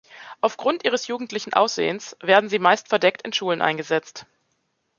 Aufgrund ihres jugendlichen Aussehens werden sie meist verdeckt in Schulen eingesetzt.